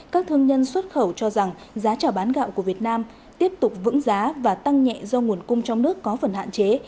các thương nhân xuất khẩu cho rằng giá trào bán gạo của việt nam tiếp tục vững giá và tăng nhẹ do nguồn cung trong nước có phần hạn chế